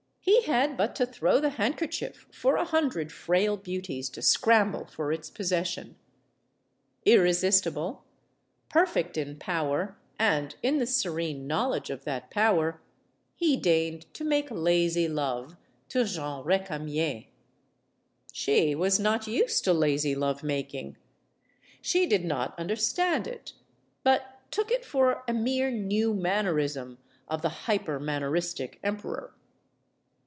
He had but to throw the handkerchief for a hundred frail beauties to scramble for its possession. Irresistible, perfect in power and in the serene know 238 STORIES OF THE SUPER WOMEN ledge of that power, he deigned to make lazy love to Jeanne Recamier. She was not used to lazy love making. She did not understand it, but took it for a mere new mannerism of the hypermanneristic emperor.